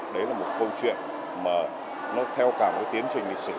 đấy là một câu chuyện mà nó theo cả một tiến trình lịch sử